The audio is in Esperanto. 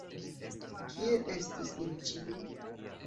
Kie estis ili ĉiuj?